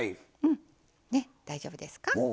大丈夫ですか。